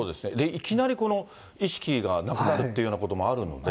いきなり意識がなくなるっていうようなこともあるので。